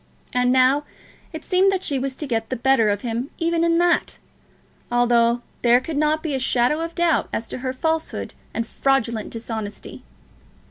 And now it seemed that she was to get the better of him even in that, although there could not be a shadow of doubt as to her falsehood and fraudulent dishonesty!